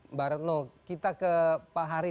mbak retno kita ke pak hari